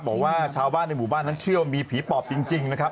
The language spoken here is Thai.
บอกว่าชาวบ้านในหมู่บ้านนั้นเชื่อว่ามีผีปอบจริงนะครับ